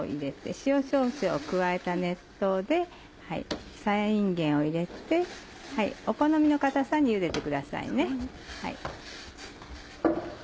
塩少々を加えた熱湯でさやいんげんを入れてお好みの硬さにゆでてくださいね。